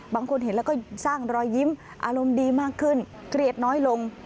บางคนเห็นแล้วก็สร้างรอยยิ้มอารมณ์ดีมากขึ้นเกลียดน้อยลง